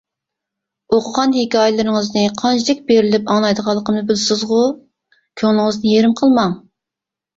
ئوقۇغان ھېكايىلىرىڭىزنى قانچىلىك بېرىلىپ ئاڭلايدىغانلىقىمنى بىلىسىزغۇ؟ كۆڭلىڭىزنى يېرىم قىلماڭ.